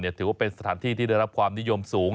ถือว่าเป็นสถานที่ที่ได้รับความนิยมสูง